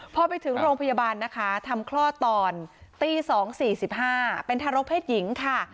พอไปถึงโรงพยาบาลนะคะทำคลอดตอนตี๒๔๕เป็นทารกเพศหญิงค่ะ